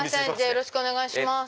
よろしくお願いします。